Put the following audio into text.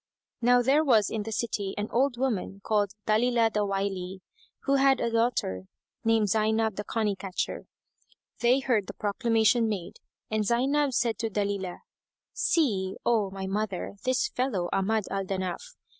Now there was in the city an old woman called Dalílah the Wily, who had a daughter by name Zaynab the Coney catcher. They heard the proclamation made and Zaynab said to Dalilah, "See, O my mother, this fellow, Ahmad al Danaf!